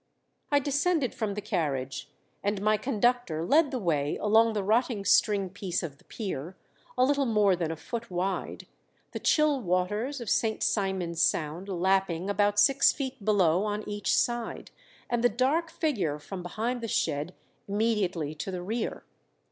I descended from the carriage, and my conductor led the way along the rotting stringpiece of the pier, a little more than a foot wide, the chill waters of St. Simon's Sound lapping about six feet below on each side, and the dark figure from behind the shed immediately to the rear.